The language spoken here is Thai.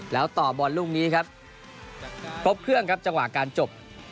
แล้วต่อบอลลูกนี้ครับครบเครื่องครับจังหวะการจบ